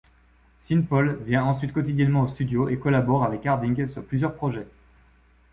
Sean Paul vient ensuite quotidiennement au studio et collabore avec Harding sur plusieurs projets.